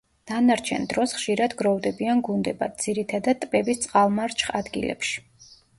დანარჩენ დროს ხშირად გროვდებიან გუნდებად, ძირითადად ტბების წყალმარჩხ ადგილებში.